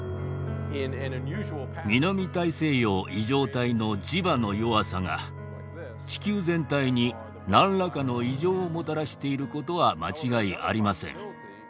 南大西洋異常帯の磁場の弱さが地球全体に何らかの異常をもたらしていることは間違いありません。